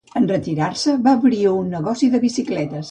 En retirar-se, va obrir un negoci de bicicletes.